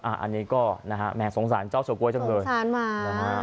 อันนี้ก็นะฮะแหม่สงสารเจ้าเฉก๊วจังเลยสงสารมากนะฮะ